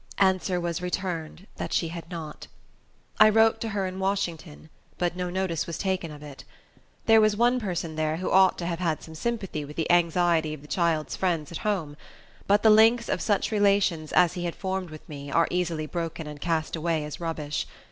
Answer was returned that she had not. I wrote to her in Washington; but no notice was taken of it. There was one person there, who ought to have had some sympathy with the anxiety of the child's friends at home; but the links of such relations as he had formed with me, are easily broken and cast away as rubbish.